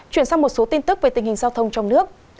chuyển sang một số tin tức về tình hình giao thông trong nước